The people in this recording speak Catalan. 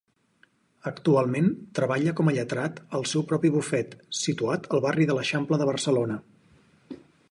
Actualment treballa com lletrat al seu propi bufet, situat al barri de l'Eixample de Barcelona.